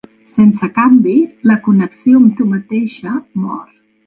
Sense canvi, la connexió amb tu mateixa mor.